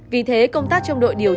vì thế công tác trong đội điều dân